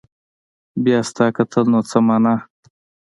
بيا ستا کتل نو څه معنا